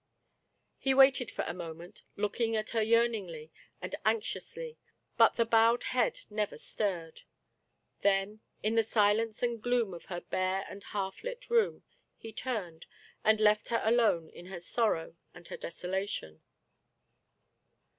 He waited for a moment, looking at her yearn ingly and anxiously, but the bowed head never stirred. Then, in the silence and gloom of the bare and half lit room, he turned, and left her alone in her sorrow and her desolation.